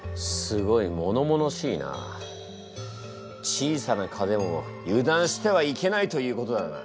小さな蚊でも油断してはいけないということだな。